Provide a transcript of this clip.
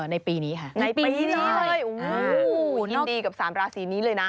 ในปีนี้ค่ะในปีนี้เลยโอ้โหยินดีกับสามราศีนี้เลยนะ